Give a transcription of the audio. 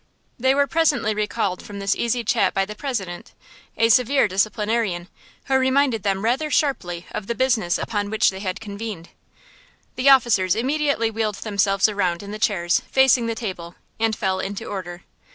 They were presently recalled from this easy chat by the President, a severe disciplinarian, who reminded them rather sharply of the business upon which they had convened. The officers immediately wheeled themselves around in the chairs, facing the table, and fell into order.